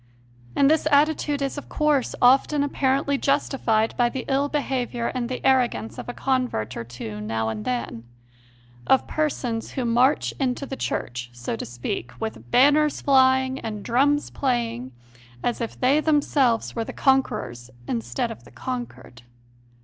And this attitude is, of course, often apparently justified by the ill behaviour and the arrogance of a convert or two now and then of persons who march into the Church, so to speak, with banners flying and drums playing, as if they themselves were the con ^querors instead of the conquered.